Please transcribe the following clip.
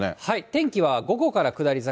天気は午後から下り坂。